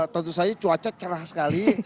tentu saja cuaca cerah sekali